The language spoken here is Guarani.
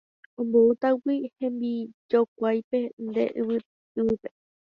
Omboútagui hembijokuáipe nde ypýpe